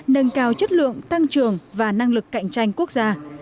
nâng cao chất lượng tăng trường và năng lực cạnh tranh quốc gia